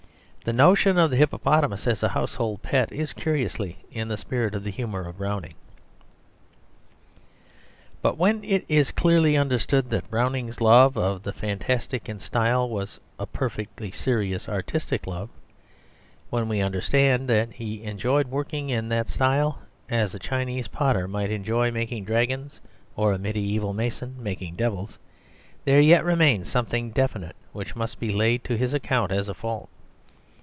The notion of the hippopotamus as a household pet is curiously in the spirit of the humour of Browning. But when it is clearly understood that Browning's love of the fantastic in style was a perfectly serious artistic love, when we understand that he enjoyed working in that style, as a Chinese potter might enjoy making dragons, or a mediæval mason making devils, there yet remains something definite which must be laid to his account as a fault.